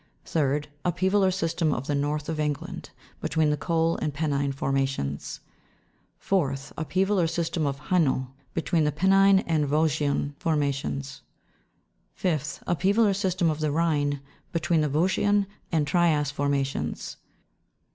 3d, or system of the North of England, between the coal and penine formations. 4th, or system of Hainault, between the penine and vosgean formations. 5th, or system of the Rhine, between the vosgean and trias formations.